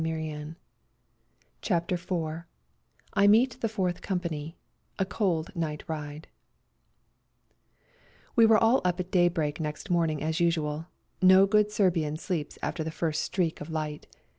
age 77 CHAPTER IV I MEET THE FOURTH COMPANY— A COLD NIGHT RIDE We were all up at daybreak next morning as usual ; no good Serbian sleeps after the first streak of light.